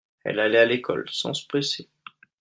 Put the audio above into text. elle allait à l'école sans se presser.